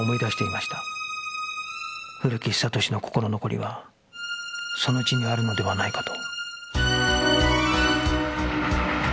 古木久俊の心残りはその地にあるのではないかと